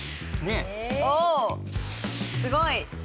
おすごい。